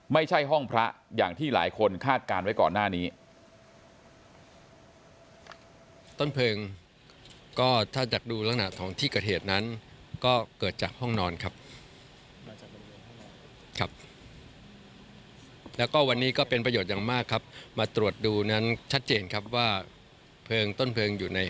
ไม่ใช่ห้องพระอย่างที่หลายคนคาดการณ์ไว้ก่อนหน้านี้